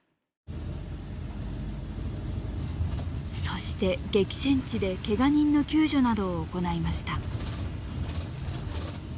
そして激戦地でけが人の救助などを行いました。